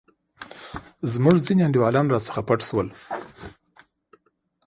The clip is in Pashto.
زموږ ځیني انډیوالان راڅخه پټ شول.